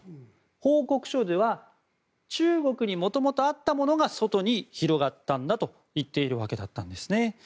報告書では中国にもともとあったものが外に広がったんだと言っているわけです。